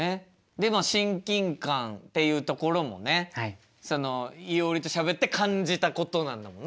でまあ親近感っていうところもねそのいおりとしゃべって感じたことなんだもんね？